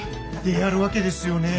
であるわけですよね。